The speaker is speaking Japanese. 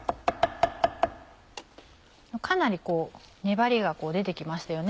かなり粘りが出て来ましたよね。